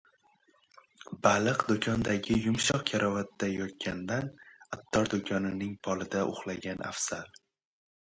• Baliq do‘konidagi yumshoq karavotda yotgandan, attor do‘konining polida uxlagan afzal.